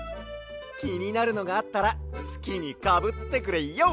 きになるのがあったらすきにかぶってくれＹＯ！